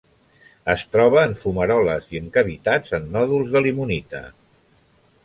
Es troba en fumaroles i en cavitats en nòduls de limonita.